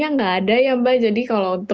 masak sendiri atau pergi ke restaurant